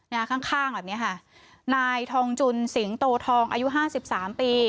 ข้างข้างแบบเนี้ยค่ะนายทองจุนสิงโตทองอายุห้าสิบสามปี